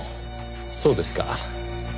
そうですか。